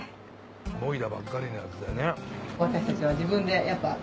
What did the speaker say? もいだばっかりのやつでね。